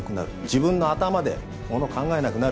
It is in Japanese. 自分の頭でもの考えなくなる。